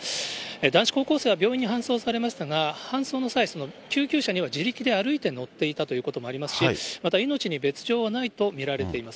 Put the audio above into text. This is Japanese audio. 男子高校生は病院に搬送されましたが、搬送の際、救急車には自力で歩いて乗っていたということもありますし、また、命に別状はないと見られています。